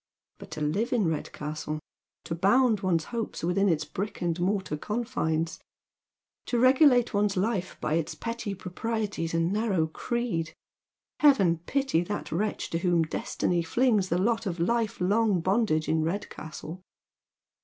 But to live in Redcastle, to bound one's hopes within its brick and mortar confines, to regulate one's life by its petty proprieties and narrow creed 1 Heaven pity that wretch to whom destiny flings the lot of life long bondage in Redcastle.